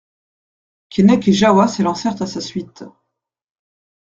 Keinec et Jahoua s'élancèrent à sa suite.